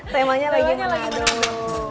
temanya lagi menado